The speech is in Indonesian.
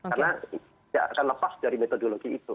karena tidak akan lepas dari metodologi itu